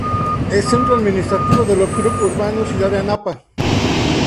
Es centro administrativo del ókrug urbano Ciudad de Anapa.